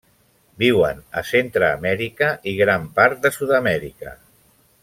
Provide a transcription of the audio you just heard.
Viuen a Centreamèrica i gran part de Sud-amèrica.